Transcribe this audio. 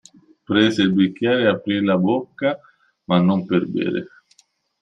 Prese il bicchiere e aprì la bocca, ma non per bere.